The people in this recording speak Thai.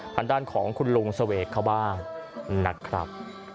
ทางด้านของคุณลุงเสวกเขาบ้างนะครับ